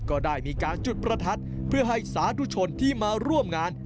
ก็ได้มีการจุดประทัดเพื่อให้สาธุชนที่มาร่วมงาน